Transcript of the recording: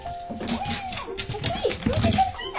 かっこいい！